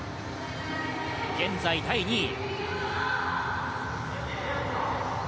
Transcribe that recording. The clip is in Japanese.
現在第２位。